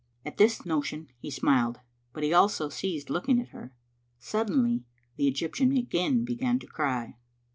At this notion he smiled, but he also ceased looking at her. Suddenly the Egyptian again began to cry.